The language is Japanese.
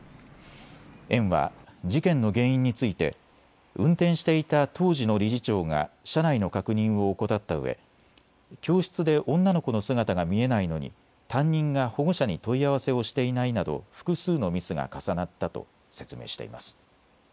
園は事件の原因について運転していた当時の理事長が車内の確認を怠ったうえ教室で女の子の姿が見えないのに担任が保護者に問い合わせをしていないなど複数のミスが重なったと説明しています。